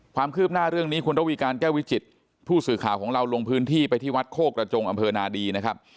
ความคืบหน้าเรื่องนี้คุณระวีการแก้ววิจิตผู้สื่อข่าวของเราลงพื้นที่ไปที่วัดโคกระจงอำเภอนาดีนะครับ